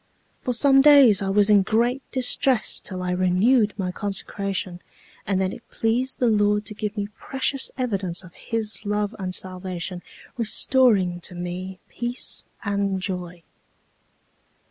For some days I was in great distress till I renewed my consecration, and then it pleased the Lord to give me precious evidence of His love and salvation, restoring to me peace and joy.